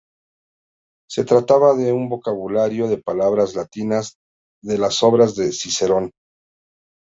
Se trataba de un vocabulario de palabras latinas de las obras de Cicerón.